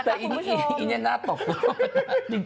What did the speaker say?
แต่อินเนี่ยน่าตกลง